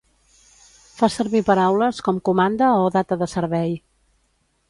Fa servir paraules com comanda o data de servei.